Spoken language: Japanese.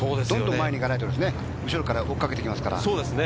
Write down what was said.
どんどん前に行かないとですね、後ろから追いかけてきますから。